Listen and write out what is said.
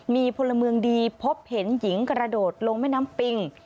มีพลเมืองดีพบเห็นหญิงกระโดดลงแม่น้ำปิง